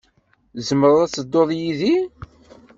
Tzemreḍ ad tedduḍ yid-i.